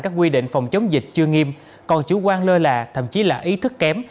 các quy định phòng chống dịch chưa nghiêm còn chủ quan lơ là thậm chí là ý thức kém